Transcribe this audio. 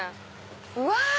うわ！